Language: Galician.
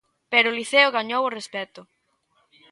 Pero o Liceo gañou o respecto.